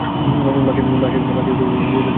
মাকে যে যাদুটা দেখাতে, সেটা দেখাও তো।